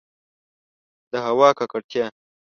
د هوا ککړتیا